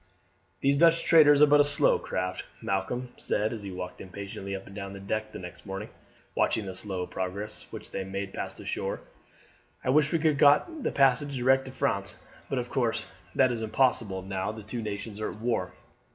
"These Dutch traders are but slow craft," Malcolm said as he walked impatiently up and down the deck next morning, watching the slow progress which they made past the shore. "I wish we could have got a passage direct to France, but of course that is impossible now the two nations are at war."